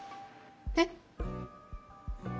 えっ？